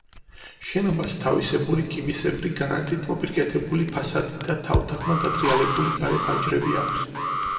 შენობას თავისებული კიბისებრი გრანიტით მოპირკეთებული ფასადი და თავდაღმა დატრიალებული გარე ფანჯრები აქვს.